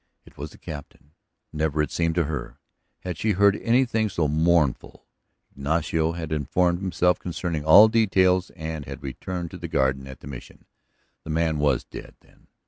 It was the Captain. Never, it seemed to her, had she heard anything so mournful. Ignacio had informed himself concerning all details and had returned to the garden at the Mission. The man was dead, then.